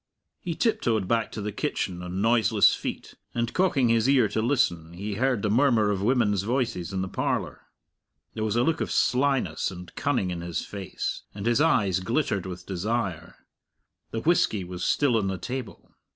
He tiptoed back to the kitchen on noiseless feet, and cocking his ear to listen, he heard the murmur of women's voices in the parlour. There was a look of slyness and cunning in his face, and his eyes glittered with desire. The whisky was still on the table.